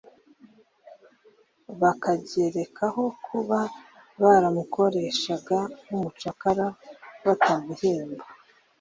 bakagerekaho kuba baramukoreshaga nk’umucakara batamuhemba"